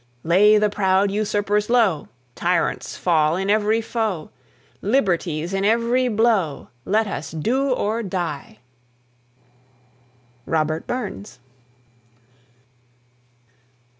Lay the proud usurpers low! Tyrants fall in every foe! Liberty's in every blow! Let us do, or die! ROBERT BURNS.